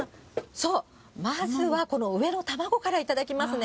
そう、まず、この上の卵から頂きますね。